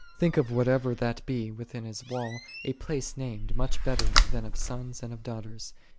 '6 Think of (whatever that be) within His wall "a place named, much better than of sons and of daughters."'